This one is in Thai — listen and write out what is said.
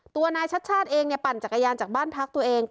ตัวนายชัดชาติเองปั่นจักรยานจากบ้านพักตัวเอง